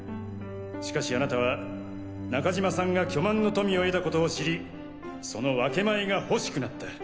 しかしあなたは中島さんが巨万の富を得たことを知りその分け前が欲しくなった。